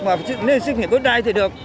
mà nếu xét nghiệm covid một mươi chín thì được